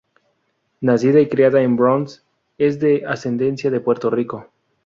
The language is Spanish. Nacida y criada en Bronx, es de ascendencia de Puerto Rico.